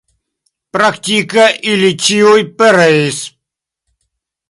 Praktike ili ĉiuj pereis.